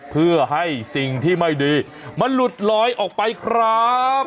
เพื่อให้สิ่งที่ไม่ดีมันหลุดลอยออกไปครับ